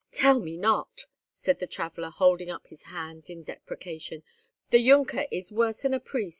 "Tell me not!" said the traveller, holding up his hands in deprecation; "the Junker is worse than a priest!